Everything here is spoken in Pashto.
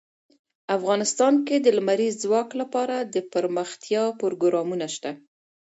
افغانستان کې د لمریز ځواک لپاره دپرمختیا پروګرامونه شته.